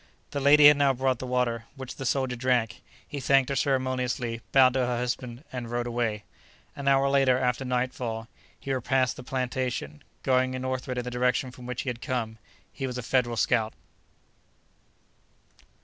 The lady had now brought the water, which the soldier drank. He thanked her ceremoniously, bowed to her husband and rode away. An hour later, after nightfall, he repassed the plantation, going northward in the direction from which he had come. He was a Federal scout.